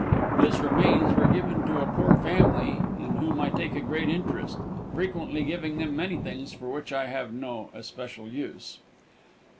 His remains were given to a poor family in whom I take a great interest, frequently giving them many things for which I have no especial use.